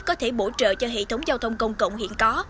có thể bổ trợ cho hệ thống giao thông công cộng hiện có